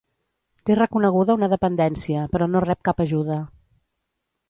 Té reconeguda una dependència, però no rep cap ajuda.